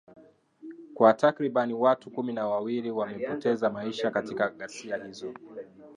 kwa takriban watu kumi na wawili wamepoteza maisha katika ghasia hizo